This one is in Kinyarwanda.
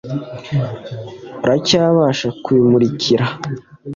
aracyabasha kubimurikira